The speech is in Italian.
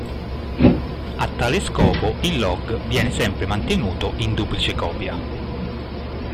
A tal scopo il Log viene sempre mantenuto in duplice copia.